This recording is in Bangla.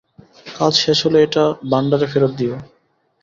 কাজ শেষ হলে এটা ভান্ডারে ফেরত দিও।